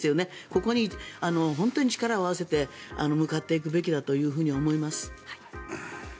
ここに本当に力を合わせて向かっていくべきだと思います。